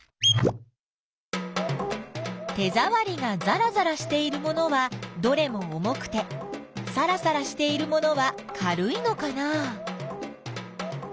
手ざわりがざらざらしているものはどれも重くてさらさらしているものは軽いのかなあ。